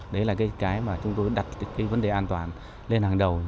đấy là cái mà chúng tôi đặt cái vấn đề an toàn lên hàng đầu